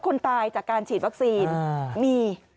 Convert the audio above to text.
คนตายจากการฉีดวัคซีนมี